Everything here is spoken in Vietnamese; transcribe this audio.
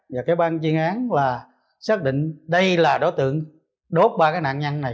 và cái ban chuyên án là xác định đây là đối tượng đốt ba cái nạn nhân này